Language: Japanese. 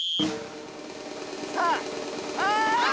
さあああ！